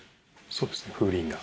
そうですね風鈴が。